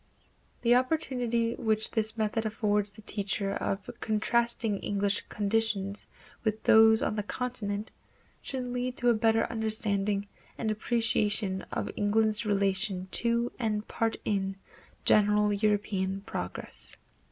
The opportunity which this method affords the teacher of contrasting English conditions with those on the continent should lead to a better understanding and appreciation of England's relation to and part in general European progress.